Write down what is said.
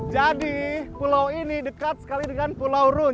jadi pulau ini dekat sekali dengan pulau run